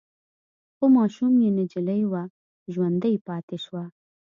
خو ماشوم يې چې نجلې وه ژوندۍ پاتې شوه.